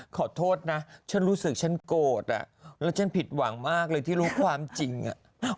ขอโทษนะฉันรู้สึกฉันโกรธอ่ะแล้วฉันผิดหวังมากเลยที่รู้ความจริงอ่ะ